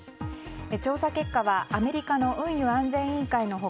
調査結果はアメリカの運輸安全委員会の他